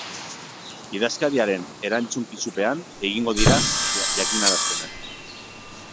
Idazkariaren erantzukizunpean egingo dira jakinarazpenak.